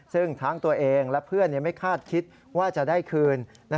ซึ่งทั้งตัวเองและเพื่อนไม่คาดคิดว่าจะได้คืน